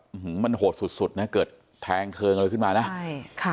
หือมันโหดสุดสุดนะเกิดแทงเทิงอะไรขึ้นมานะใช่ค่ะ